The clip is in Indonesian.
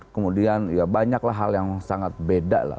kemudian ya banyaklah hal yang sangat beda lah